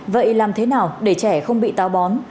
vậy làm thế nào để trẻ không bị táo bón